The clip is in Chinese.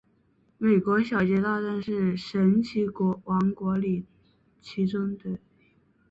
美国小镇大街是神奇王国里其中一个主题园区。